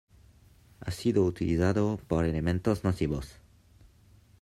Ha sido utilizado por elementos nocivos